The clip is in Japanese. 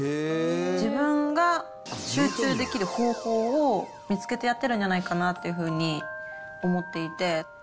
自分が集中できる方法を見つけてやってるんじゃないかなっていうふうに思っていて。